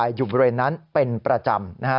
ทั่วไปอยู่บริเวณนั้นเป็นประจำ